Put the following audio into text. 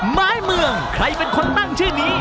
ไม้เมืองใครเป็นคนตั้งชื่อนี้